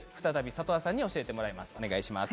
里和さんに再び教えてもらいます。